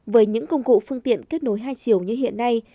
với những công cụ phương tiện kết nối hai chiều như hiện nay